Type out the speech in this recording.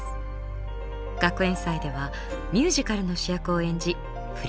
学園祭ではミュージカルの主役を演じ振り付けも担当。